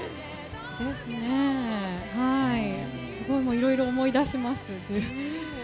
いろいろ思い出します。